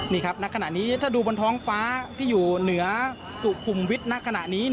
นี่นะขณะนี้ถ้าดูท้องฟ้าที่อยู่เหนือสุขุมวิทนะ